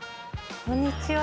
こんにちは。